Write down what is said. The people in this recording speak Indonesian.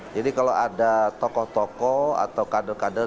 jadi kalau ada tokoh tokoh atau kader kader